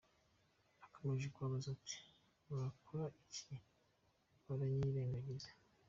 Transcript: Nakomeje kubabaza nti murakora iki ,baranyirengagiza.